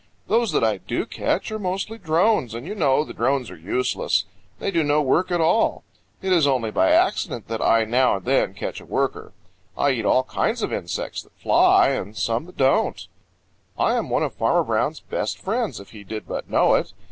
Those that I do catch are mostly drones, and you know the drones are useless. They do no work at all. It is only by accident that I now and then catch a worker. I eat all kinds of insects that fly and some that don't. I'm one of Farmer Brown's best friends, if he did but know it.